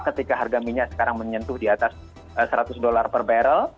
ketika harga minyak sekarang menyentuh di atas seratus dolar per barrel